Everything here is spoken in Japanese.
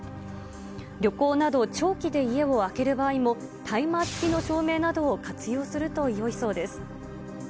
旅行など長期で家を空ける場合もタイマー付きの照明などを活用するとよいそうです。